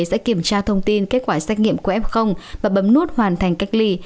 sẽ kiểm tra thông tin kết quả xét nghiệm của f và bấm nút hoàn thành cách ly